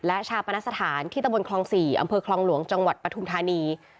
และชาปนสถานที่ตะบนคลอง๔อำเภอคลองหลวงจังหวัดปฐุมธานี